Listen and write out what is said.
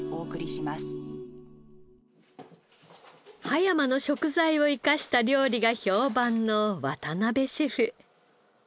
葉山の食材を生かした料理が評判の渡辺シェフ。